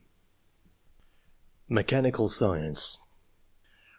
(rf, g) MECHANICAL SCIENCE.